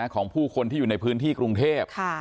ของผู้คนที่อยู่ในพื้นที่กรุงเทพ